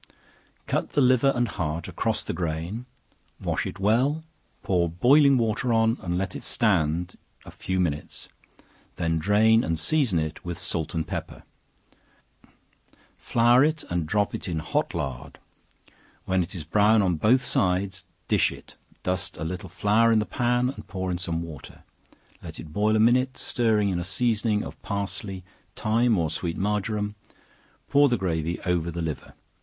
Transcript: Cut the liver and heart across the grain, wash it well, pour boiling water on, and let it stand a few minutes, then drain and season it with salt and pepper, flour it and drop it in hot lard; when it is brown on both sides, dish it, dust a little flour in the pan, and pour in some water, let it boil a minute, stirring in a seasoning of parsley, thyme, or sweet marjoram; pour the gravy over the liver.